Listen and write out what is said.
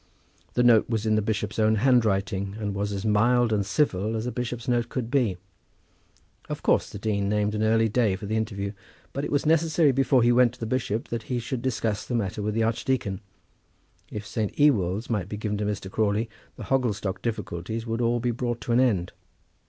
The note was in the bishop's own handwriting and was as mild and civil as a bishop's note could be. Of course the dean named an early day for the interview; but it was necessary before he went to the bishop that he should discuss the matter with the archdeacon. If St. Ewolds might be given to Mr. Crawley, the Hogglestock difficulties would all be brought to an end.